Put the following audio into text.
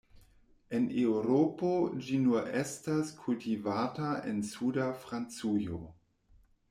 En Eŭropo ĝi nur estas kultivata en suda Francujo.